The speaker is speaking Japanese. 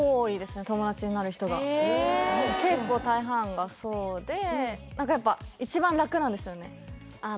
私へえ結構大半がそうで何かやっぱ一番楽なんですよねああ